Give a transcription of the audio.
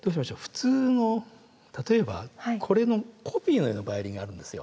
普通の例えばこれのコピーのようなバイオリンがあるんですよ。